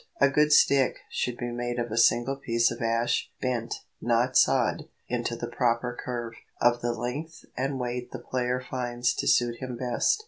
A good stick should be made of a single piece of ash, bent, not sawed, into the proper curve, of the length and weight the player finds to suit him best.